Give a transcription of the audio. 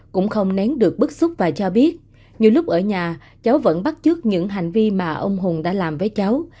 cũng không nén được bức xúc và cho biết nhiều lúc ở nhà cháu vẫn bắt trước những hành vi mà ông hùng đã làm với cháu